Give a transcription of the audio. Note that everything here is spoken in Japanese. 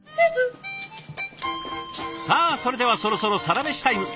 さあそれではそろそろサラメシタイム。